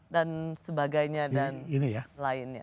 dan sebagainya dan lainnya